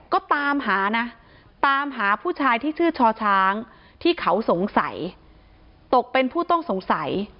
ก็ตามหานะตามหาผู้ชายที่ชื่อช่อช้างที่เขาสงสัยตกเป็นผู้ต้องสงสัย